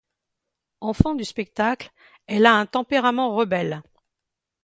Enfant du spectacle, elle a un tempérament rebelle.